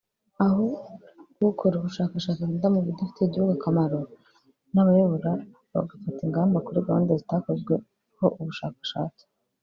aho ukora ubushakashatsi atinda mu bidafitiye igihugu akamaro n’abayobora bagafata ingamba kuri gahunda zitakozweho ubushakashatsi